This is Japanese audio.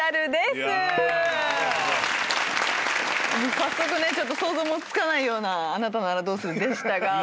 早速ね想像もつかないような「あなたならどうする？」でしたが。